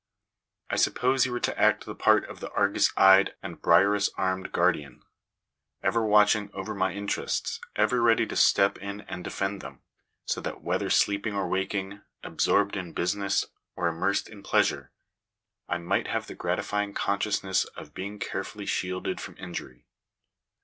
I supposed you were to act the part of an Argus eyed and Briareus armed guardian, ever watching over my in terests, ever ready to step in and defend them ; so that whether sleeping or waking, absorbed in business or immersed in plea sure, I might have the gratifying consciousness of being care fully shielded from injury.